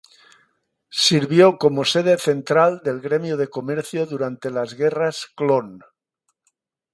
Sirvió como sede central del Gremio de Comercio durante las Guerras Clon.